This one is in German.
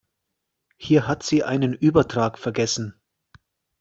Hier hat sie einen Übertrag vergessen.